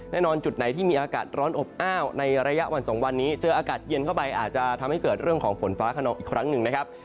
แน่นอนจุดไหนที่มีอากาศร้อนอบอ้าวในระยะวันสองวันนี้เจออากาศเย็นเข้าไปอาจจะทำให้เกิดเรื่องของฝนฟ้าขนองอีกครั้งหนึ่งนะครับ